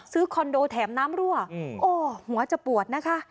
คอนโดแถมน้ำรั่วโอ้หัวจะปวดนะคะ